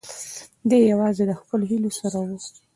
دی یوازې له خپلو هیلو سره و.